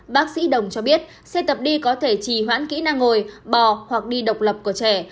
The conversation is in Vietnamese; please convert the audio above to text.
bác sĩ đồng cho biết xe tập đi có thể trì hoãn kỹ năng ngồi bò hoặc đi độc lập của trẻ